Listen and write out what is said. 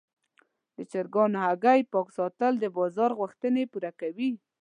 د چرګانو هګۍ پاک ساتل د بازار غوښتنې پوره کوي.